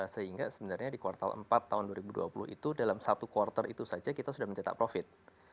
sehingga sebenarnya di kuartal empat tahun dua ribu dua puluh itu dalam satu kuartal itu saja kita sudah mencetak profit